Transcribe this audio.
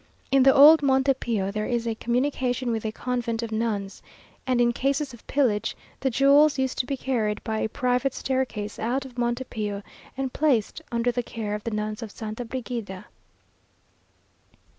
In the old Monte Pio there is a communication with a convent of nuns, and in cases of pillage, the jewels used to be carried by a private staircase out of Monte Pio, and placed under the care of the nuns of Santa Brigida.